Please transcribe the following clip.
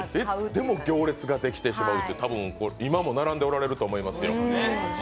でも行列ができてしまうって、今も多分並んでおられると思いますよ。